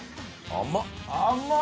甘っ！